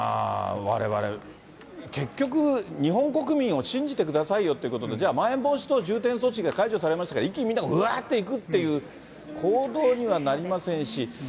われわれ、結局、日本国民を信じてくださいよということで、じゃあまん延防止等重点措置が解除されましたら、一気にみんなうわーって行くっていう、行動にはなりませんし。